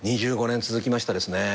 ２５年続きましたですね。